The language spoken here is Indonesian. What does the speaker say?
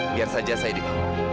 biar saja saya dikau